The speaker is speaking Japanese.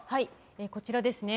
こちらですね。